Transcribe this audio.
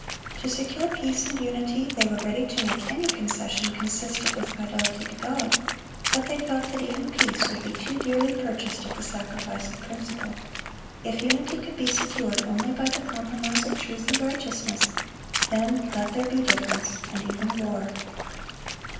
To secure peace and unity they were ready to make any concession consistent with fidelity to God; but they felt that even peace would be too dearly purchased at the sacrifice of principle. If unity could be secured only by the compromise of truth and righteousness, then let there be difference, and even war.